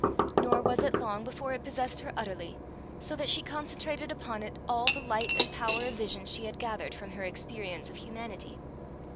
Nor was it long before it possessed her utterly, so that she concentrated upon it all the light and power of vision she had gathered from her experience of humanity.